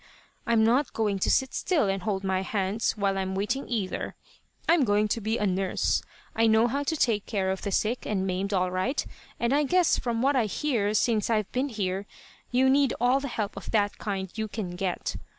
I'm not going to sit still and hold my hands while I'm waiting, either. I'm going to be a nurse. I know how to take care of the sick and maimed all right, and I guess from what I hear since I've been here you need all the help of that kind you can get.